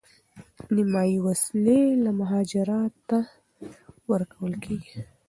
نیمایي وسلې مهاراجا ته ورکول کیږي.